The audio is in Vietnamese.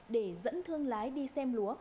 để dẫn thương lái đi xem lúa